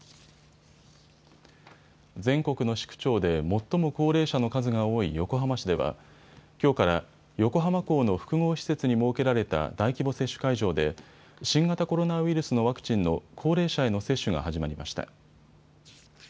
全国の市区町で最も高齢者の数が多い横浜市ではきょうから横浜港の複合施設に設けられた大規模接種会場で新型コロナウイルスのワクチンの高齢者への接種が始まりました。